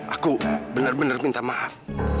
aku benar benar minta maaf